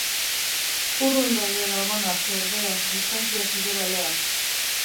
Urrun daude gabonak, ordea, distantzia sideralean.